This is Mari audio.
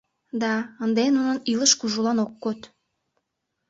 — Да, ынде нунын илыш кужулан ок код.